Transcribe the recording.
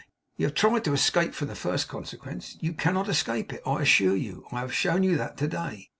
You have tried to escape from the first consequence. You cannot escape it, I assure you. I have shown you that to day.